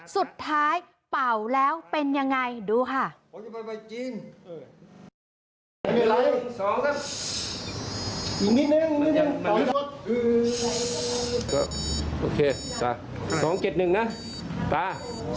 สุดท้ายเป่าแล้วเป็นยังไงดูค่ะ